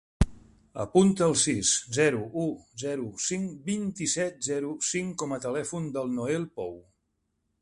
Apunta el sis, zero, u, zero, cinc, vint-i-set, zero, cinc com a telèfon del Noel Pou.